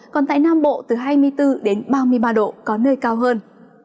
còn tại nam bộ từ hai mươi bốn đến ba mươi ba độ có nơi cao hơn